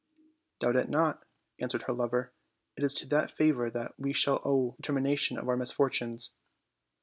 "Doubt it not," answered her lover; "it is to that favor that T7e shall owe the termination of our misfor tunes."